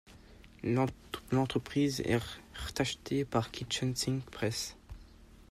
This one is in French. L'entreprise est rtachetée par Kitchen Sink Press.